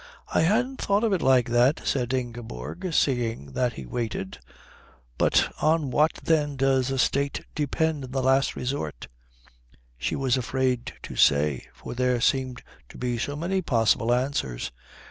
"I hadn't thought of it like that," said Ingeborg, seeing that he waited. "But on what then does a State depend in the last resort?" She was afraid to say, for there seemed to be so many possible answers.